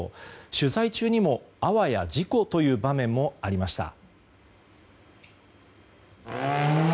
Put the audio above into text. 取材中にも、あわや事故という場面もありました。